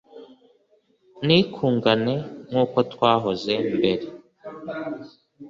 ntikungane nk’uko kwahoze mbere.